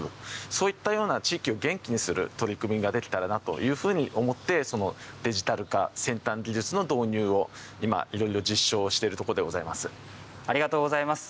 そういったような地域を元気にする取り組みができたらなというふうに思ってデジタル化、先端技術の導入を今、いろいろありがとうございます。